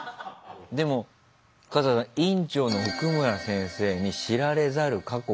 でも春日さん院長の奥村先生に知られざる過去があるんだって。